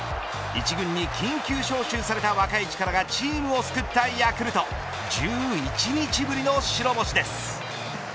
１軍に緊急招集された若い力がチームを救ったヤクルト１１日ぶりの白星です。